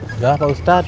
sudah pak ustadz